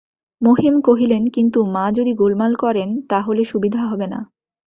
মহিম কহিলেন, কিন্তু মা যদি গোলমাল করেন তা হলে সুবিধা হবে না।